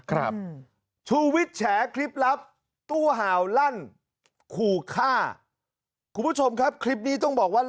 ครับชูวิทย์แฉคลิปลับตู้ห่าวลั่นขู่ฆ่าคุณผู้ชมครับคลิปนี้ต้องบอกว่า